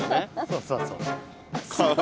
そうそうそうそう。